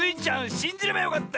しんじればよかった！